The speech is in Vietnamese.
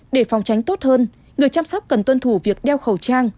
để phòng tránh tốt hơn người chăm sóc cần tuân thủ việc đeo khẩu trang